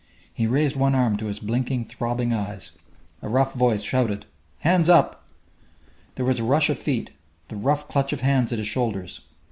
He raised one arm to his blinking, throbbing eyes. A rough voice shouted: "Hands up!" There was a rush of feet, the rough clutch of hands at his shoulders....